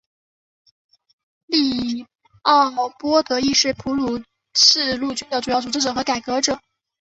利奥波德亦是普鲁士陆军的主要组织者和改革者。